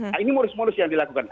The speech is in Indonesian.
nah ini modus modus yang dilakukan